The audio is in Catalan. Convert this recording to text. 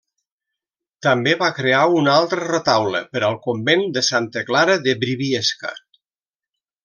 També va crear un altre retaule per al convent de Santa Clara de Briviesca.